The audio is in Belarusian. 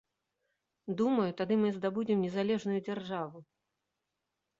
Думаю, тады мы здабудзем незалежную дзяржаву.